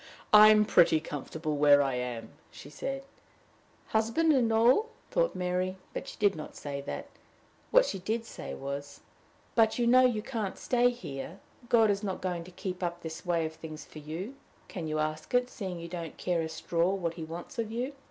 "I am pretty comfortable where I am," she said. "Husband and all!" thought Mary, but she did not say that. What she did say was: "But you know you can't stay here. God is not going to keep up this way of things for you; can you ask it, seeing you don't care a straw what he wants of you?